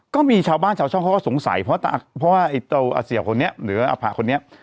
ก็มีชาวบ้านชาวช่องเขาก็สงสัยเพราะว่าไอ้ตัวอเสี่ยวคนนี้หรืออภะคนนี้